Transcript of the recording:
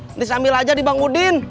nanti ambil aja di bang udin